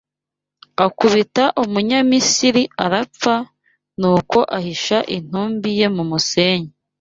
akubita Umunyamisiri, arapfa, nuko ahisha intumbi ye mu musenyi